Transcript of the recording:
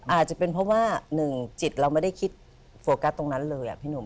อาจจะเป็นเพราะว่าหนึ่งจิตเราไม่ได้คิดโฟกัสตรงนั้นเลยพี่หนุ่ม